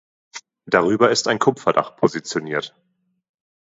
Darüber ist ein Kupferdach positioniert.